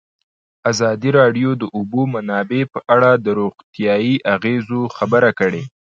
ازادي راډیو د د اوبو منابع په اړه د روغتیایي اغېزو خبره کړې.